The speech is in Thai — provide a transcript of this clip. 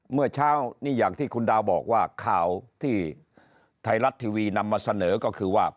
เมื่อเช้านี่อย่างที่คุณดาวบอกว่าข่าวที่ไทยรัฐทีวีนำมาเสนอก็คือว่า